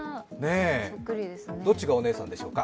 どっちがお姉さんでしょうか？